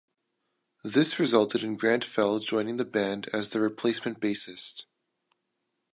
This resulted in Grant Fell joining the band as the replacement bassist.